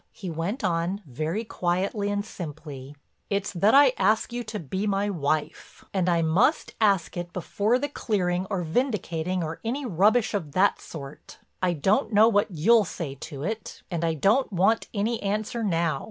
He went on, very quietly and simply: "It's that I ask you to be my wife. And I must ask it before the clearing or vindicating or any rubbish of that sort. I don't know what you'll say to it and I don't want any answer now.